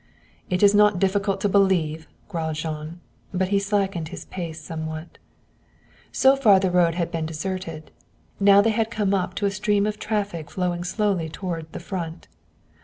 "It is not difficult to believe," growled Jean. But he slackened his pace somewhat. So far the road had been deserted. Now they had come up to a stream of traffic flowing slowly toward the Front.